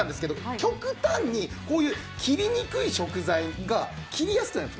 極端に切りにくい食材が切りやすくなるんです。